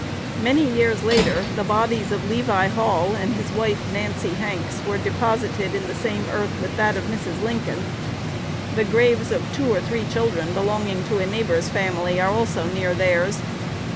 Many years later the bodies of Levi Hall and his wife, Nancy Hanks, were deposited in the same earth with that of Mrs. Lincoln. The graves of two or three children belonging to a neighbor's family are also near theirs.